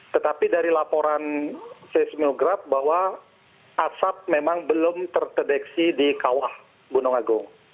tetapi dari laporan seismograf bahwa asap memang belum terdeteksi di kawah gunung agung